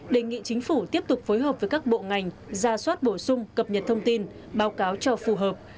đề nghị chính phủ tiếp tục phối hợp với các bộ ngành ra soát bổ sung cập nhật thông tin báo cáo cho phù hợp